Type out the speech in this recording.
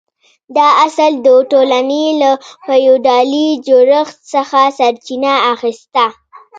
دا اصل د ټولنې له فیوډالي جوړښت څخه سرچینه اخیسته.